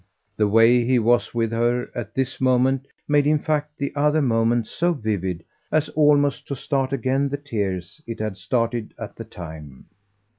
The way he was with her at this moment made in fact the other moment so vivid as almost to start again the tears it had started at the time.